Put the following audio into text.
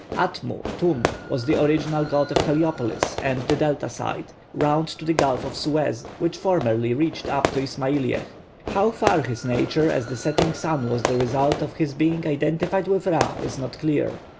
+Atmu+ (Tum) was the original god of Heliopolis and the Delta side, round to the gulf of Suez, which formerly reached up to Ismailiyeh. How far his nature as the setting sun was the result of his being identified with Ra, is not clear.